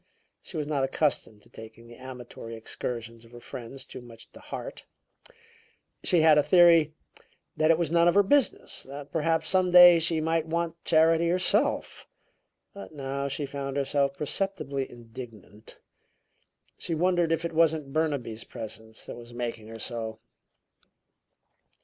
She was not accustomed to taking the amatory excursions of her friends too much to heart; she had a theory that it was none of her business, that perhaps some day she might want charity herself. But now she found herself perceptibly indignant. She wondered if it wasn't Burnaby's presence that was making her so.